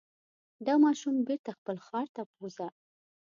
دا ماشوم بېرته خپل ښار ته بوځه.